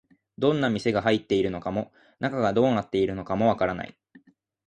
どんな店が入っているのかも、中がどうなっているのかもわからない